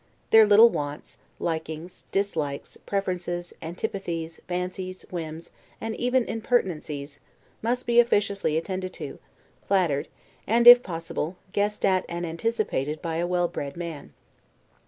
Their little wants, likings, dislikes, preferences, antipathies, fancies, whims, and even impertinencies, must be officiously attended to, flattered, and, if possible, guessed at and anticipated by a well bred man.